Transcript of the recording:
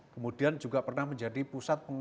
kemudian juga pernah menjadi museum batavia lama